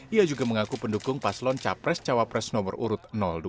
ia juga mengaku pendukung paslon capres cawapres nomor urut dua